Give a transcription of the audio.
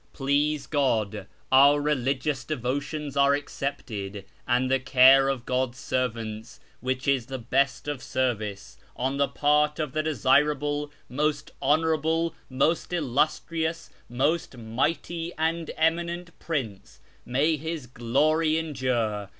" Please God [our] religious devotions are accepted, and the care of God's servants, which is the best of service, on the part of the desirable, most honourable, most illustrious, most mighty and eminent prince (may his glory endure